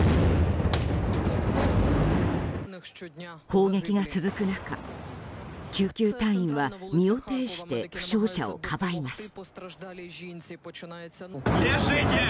攻撃が続く中、救急隊員は身を挺して負傷者をかばいます。